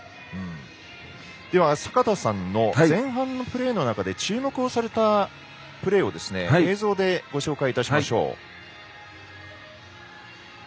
坂田さんの前半のプレーの中で注目をされたプレーを映像でご紹介いたしましょう。